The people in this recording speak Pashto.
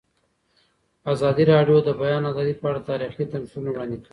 ازادي راډیو د د بیان آزادي په اړه تاریخي تمثیلونه وړاندې کړي.